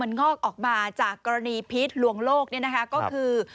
งอกออกมาจากกรณีพีชลวงโลกเนี่ยนะคะก็คือ